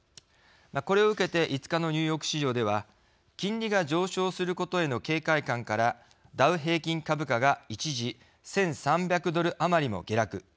これを受けて５日のニューヨーク市場では金利が上昇することへの警戒感からダウ平均株価が一時１３００ドル余りも下落。